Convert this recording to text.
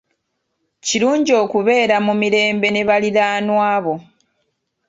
Kirungi okubeera mu mirembe ne baliraanwa bo.